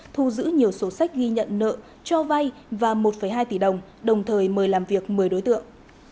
thu giữ nhiều sổ sách ghi nhận nợ cho vay và một hai tỷ đồng đồng thời mời làm việc một mươi đối tượng